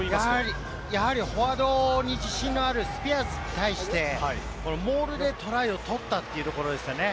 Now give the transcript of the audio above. やはりフォワードに自信のあるスピアーズに対して、モールでトライを取ったというところですよね。